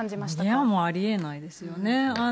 いやもう、ありえないですよね。